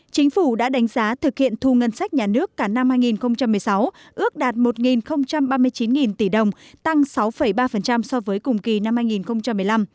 chính phủ đã đánh giá thực hiện thu ngân sách nhà nước cả năm hai nghìn một mươi sáu ước đạt một ba mươi chín tỷ đồng tăng sáu ba so với cùng kỳ năm hai nghìn một mươi năm